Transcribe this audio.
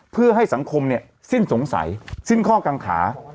เพื่อให้สังคมสิ้นสงสัยสิ้นข้อกังขา